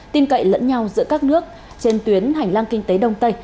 tin cậy lẫn nhau giữa các nước trên tuyến hành lang kinh tế đông tây